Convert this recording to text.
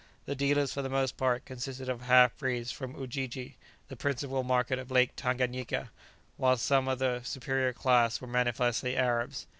The dealers for the most part consisted of half breeds from Ujiji, the principal market on Lake Tanganyika, whilst some of a superior class were manifestly Arabs.